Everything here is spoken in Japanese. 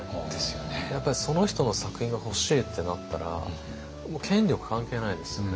やっぱりその人の作品が欲しいってなったらもう権力関係ないですよね。